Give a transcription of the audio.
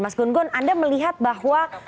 mas gunggun anda melihat bahwa